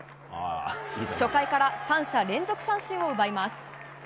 初回から３者連続三振を奪います。